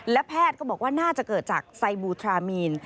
และแพทย์ก็บอกว่าน่าจะเกิดจากไซบูทรามีน